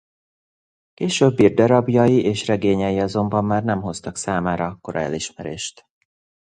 Később írt darabjai és regényei azonban már nem hoztak számára akkora elismerést.